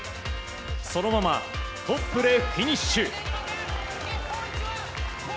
そのままトップでフィニッシュ。